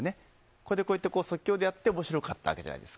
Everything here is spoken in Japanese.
これで、即興でやって面白かったわけなので。